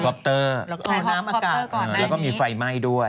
แล้วก็น้ำอากาศแล้วก็มีไฟไหม้ด้วย